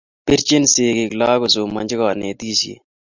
Pirchini sikiik lakok kosomchanchi kanetishet